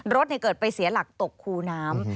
รถเกิดไปเสียหลักตกคูน้ำ